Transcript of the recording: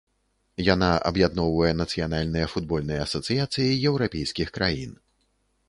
Яна аб'ядноўвае нацыянальныя футбольныя асацыяцыі еўрапейскіх краін.